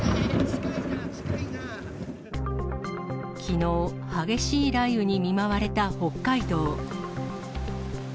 きのう、激しい雷雨に見舞われた北海道。